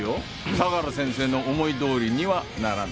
相良先生の思いどおりにはならない。